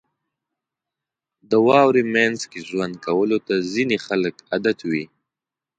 • د واورې مینځ کې ژوند کولو ته ځینې خلک عادت وي.